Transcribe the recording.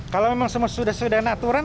kalau memang semua sudah sudah ada aturan